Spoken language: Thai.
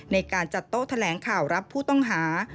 ในการจัดโต๊ะแถลงข่าวรับผู้ต้องหา